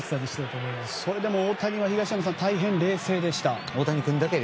それでも大谷は大変、冷静でした。